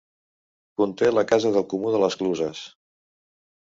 Conté la Casa del Comú de les Cluses.